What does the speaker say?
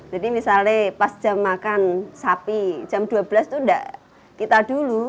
jadi misalnya pas jam makan sapi jam dua belas itu tidak kita dulu